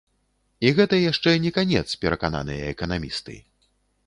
І гэта яшчэ не канец, перакананыя эканамісты.